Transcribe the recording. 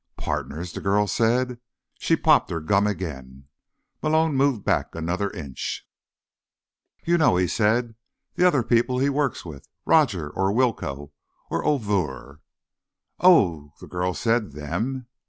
"Partners?" the girl said. She popped her gum again. Malone moved back another inch. "You know," he said. "The other people he works with. Rodger, or Willcoe, or O'Vurr." "Oh," the girl said. "Them."